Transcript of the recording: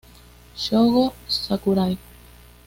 Shogo Sakurai